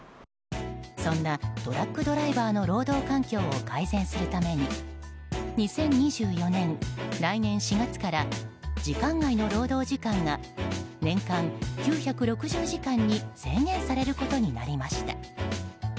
そんな、トラックドライバーの労働環境を改善するために２０２４年、来年４月から時間外の労働時間が年間９６０時間に制限されることになりました。